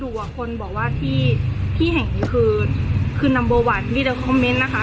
ดูว่าคนบอกว่าที่ที่แห่งนี้คือคือนัมเบิ้ลวันนะคะ